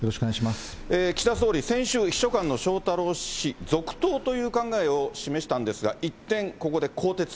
岸田総理、先週、秘書官の翔太郎氏続投という考えを示したんですが、一転、ここで更迭。